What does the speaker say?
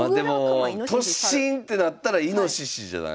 まあでも突進ってなったらイノシシじゃない？